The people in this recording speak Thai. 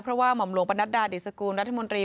เพราะว่าหม่อมหลวงประนัดดาดิสกูลรัฐมนตรี